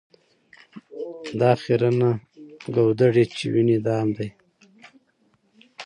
دا خیرنه ګودړۍ چي وینې دام دی